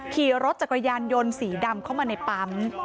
ขี่รถจักรยานยนต์สีดำเข้ามาในปั๊ม